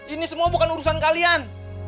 ini semua bukan urusan kalian